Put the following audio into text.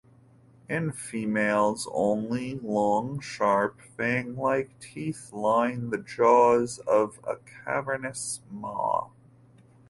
In females only, long, sharp fang-like teeth line the jaws of a cavernous maw.